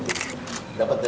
dari krian jawa timur